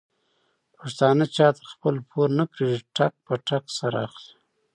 پښتانه چاته خپل پور نه پرېږدي ټک په ټک سره اخلي.